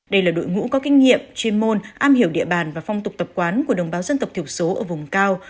đây là đội ngũ có kinh nghiệm chuyên môn am hiểu địa bàn và phong tục tập quán của đồng bào dân tộc thiểu số ở vùng cao